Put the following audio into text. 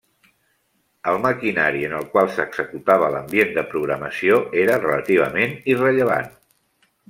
El maquinari en el qual s'executava l'ambient de programació era relativament irrellevant.